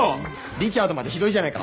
リチャードまでひどいじゃないか。